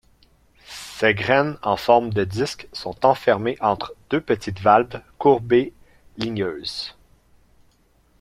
Ces graines en forme de disques sont enfermées entre deux petites valves courbées ligneuses.